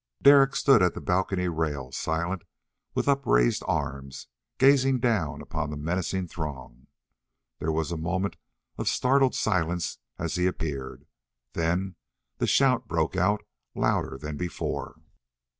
Derek stood at the balcony rail, silent, with upraised arms, gazing down upon the menacing throng. There was a moment of startled silence as he appeared. Then the shout broke out louder than before.